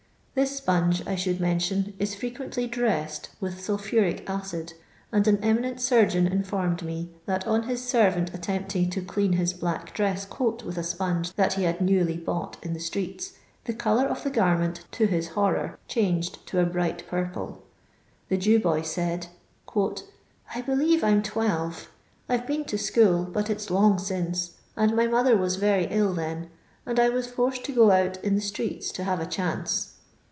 This sponge, I should mention, is frequently "dressed" with sulphuric acid, and an eminent surgeon informdd me that on his servant attempting to clean Us black dress coat with a sponge that he had newly bought in the streets, the colour of the garment^ to his horror, changed to a bright purple. The Jew boy said —'* I believe I 'm twelve. I 've been to school, but it 's long since, and my mother waa very ill then, and I was forced to go out in the streets to have a chanee.